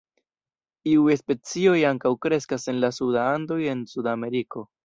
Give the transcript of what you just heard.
Iuj specioj ankaŭ kreskas en la suda Andoj en Sudameriko.